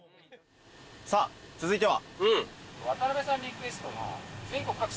さあ続いては？